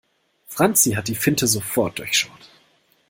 Franzi hat die Finte sofort durchschaut.